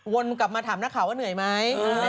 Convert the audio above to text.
วนกลับมาถามนักข่าวว่าเหนื่อยไหม